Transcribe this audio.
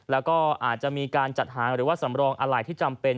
แล้วก็อาจจะมีการจัดหาหรือว่าสำรองอะไรที่จำเป็น